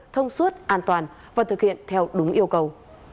thông suốt an toàn và thực hiện theo đúng yêu cầu